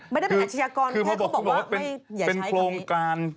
ไม่ได้เป็นอาชียากรแพทย์เขาบอกว่าอย่าใช้คำนี้คือพอบอกว่าเป็นโครงการ